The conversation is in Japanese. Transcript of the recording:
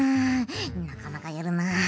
なかなかやるなあ。